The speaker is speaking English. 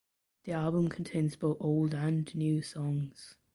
The album contains both old and new songs.